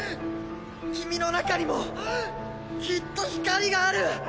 君の中にもきっと光がある！